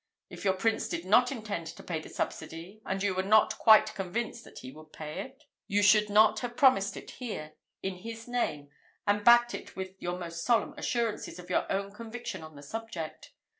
If your prince did not intend to pay the subsidy, and you were not quite convinced that he would pay it, you should not have promised it here, in his name, and backed it with your most solemn assurances of your own conviction on the subject.